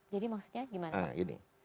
jadi maksudnya gimana pak